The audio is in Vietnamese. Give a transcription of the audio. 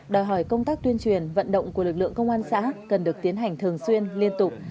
đòi hỏi công tác tuyên truyền vận động của lực lượng công an xã cần được tiến hành thường xuyên liên tục